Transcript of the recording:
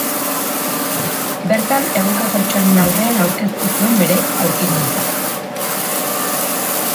Bertan ehunka pertsonen aurrean aurkeztu zuen bere aurkikuntza.